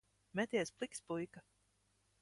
Meties pliks, puika.